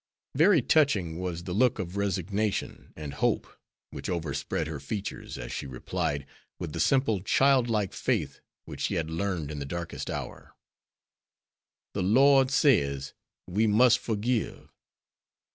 Very touching was the look of resignation and hope which overspread her features as she replied, with the simple child like faith which she had learned in the darkest hour, "The Lord says, we must forgive."